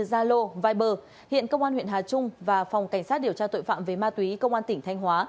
zalo viber hiện công an huyện hà trung và phòng cảnh sát điều tra tội phạm về ma túy công an tỉnh thanh hóa